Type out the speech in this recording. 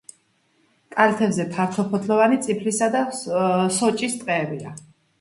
კალთებზე ფართოფოთლოვანი წიფლისა და სოჭის ტყეებია.